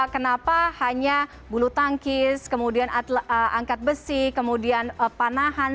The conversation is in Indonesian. kenapa hanya bulu tangkis kemudian angkat besi kemudian panahan